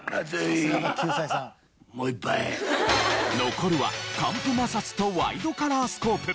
残るは乾布摩擦とワイドカラースコープ。